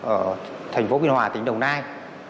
ở thành phố bình hòa tỉnh đồng nai